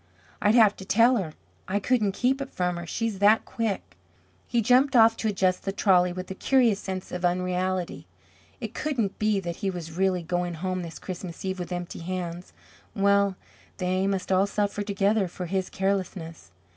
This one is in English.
I'd have to tell her. I couldn't keep it from her, she's that quick." He jumped off to adjust the trolley with a curious sense of unreality. It couldn't be that he was really going home this Christmas Eve with empty hands. Well, they must all suffer together for his carelessness.